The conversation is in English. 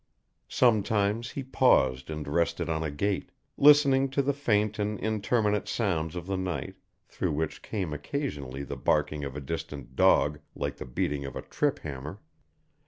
Sometimes he paused and rested on a gate, listening to the faint and indeterminate sounds of the night, through which came occasionally the barking of a distant dog like the beating of a trip hammer.